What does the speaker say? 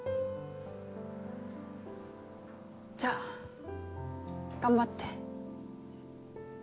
じゃあ頑張って。